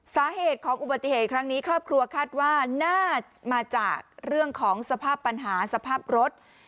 สาเหตุของอุบัติเหตุครั้งนี้ครอบครัวคาดว่าน่าจะมาจากเรื่องของสภาพปัญหาสภาพรถ